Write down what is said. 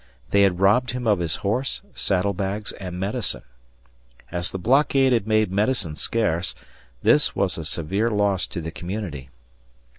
They had robbed him of his horse, saddlebags, and medicine. As the blockade had made medicine scarce, this was a severe loss to the community.